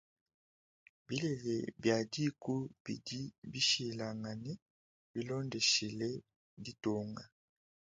Bilele bia dîku bidi bishilangane bilondeshile ditunga.